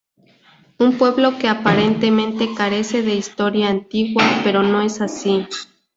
Un pueblo que aparentemente carece de historia antigua, pero no es así.